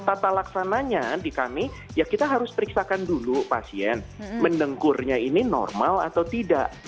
tata laksananya di kami ya kita harus periksakan dulu pasien mendengkurnya ini normal atau tidak